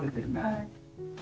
はい。